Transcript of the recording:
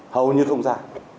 hầu như không ra